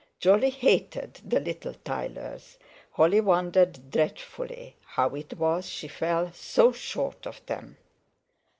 Jolly hated the little Tayleurs; Holly wondered dreadfully how it was she fell so short of them.